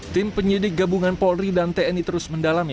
tim penyidik gabungan polri dan tni terus mendalami